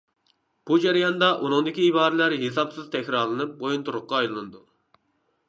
بۇ جەرياندا ئۇنىڭدىكى ئىبارىلەر ھېسابسىز تەكرارلىنىپ بويۇنتۇرۇققا ئايلىنىدۇ.